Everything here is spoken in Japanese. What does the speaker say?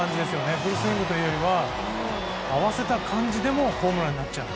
フルスイングというよりは合わせた感じでもホームランになっちゃう。